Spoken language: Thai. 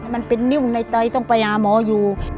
มันเป็นนิ่งในใต้ต้องไปยาม้อยู่